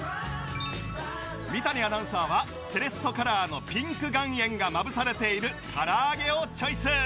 三谷アナウンサーはセレッソカラーのピンク岩塩がまぶされているからあげをチョイス